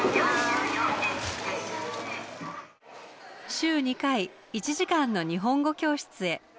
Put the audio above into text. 週２回１時間の日本語教室へ。